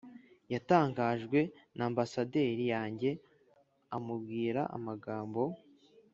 yatangajwe na ambasaderi yanjye, amubwira amagambo